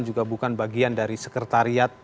juga bukan bagian dari sekretariat